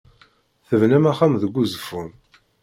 Tebnam axxam deg Uzeffun?